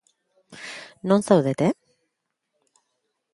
Non zaudete?